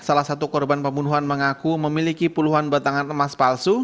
salah satu korban pembunuhan mengaku memiliki puluhan batangan emas palsu